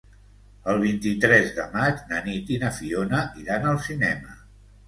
El vint-i-tres de maig na Nit i na Fiona iran al cinema.